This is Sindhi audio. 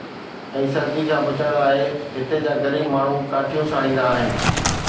۽ سردي کان بچڻ لاءِ هتي جا غريب ماڻهو ڪاٺيون ساڙيندا آهن.